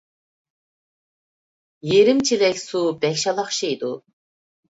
يېرىم چېلەك سۇ بەك شالاقشىيدۇ.